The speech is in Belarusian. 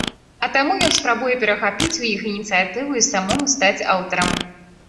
А таму ён спрабуе перахапіць у іх ініцыятыву і самому стаць аўтарам.